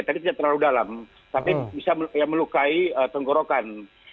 tadi tidak terlalu dalam tapi bisa melukai tenggorokan